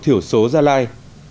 thiểu số gia lai